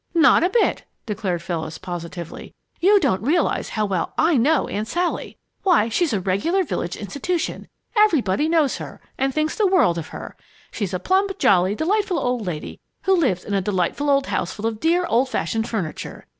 "Not a bit!" declared Phyllis, positively. "You don't realize how well I know Aunt Sally. Why, she's a regular village institution everybody knows her and thinks the world of her. She's a plump, jolly, delightful old lady who lives in a delightful old house full of dear, old fashioned furniture.